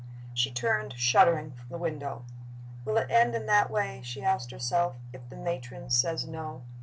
She turned, shuddering, from the window. "Will it end in that way," she asked herself, "if the matron says No?"